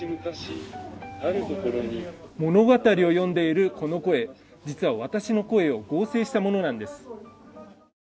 物語を読んでいるこの声、実は私の声を合成したものなんです。